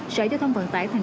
sởi cho thông vật khách